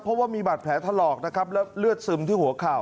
เพราะว่ามีบาดแผลถลอกนะครับแล้วเลือดซึมที่หัวเข่า